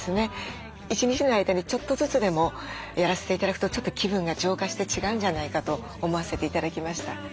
一日の間にちょっとずつでもやらせて頂くとちょっと気分が浄化して違うんじゃないかと思わせて頂きました。